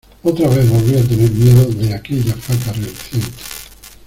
otra vez volví a tener miedo de aquella faca reluciente.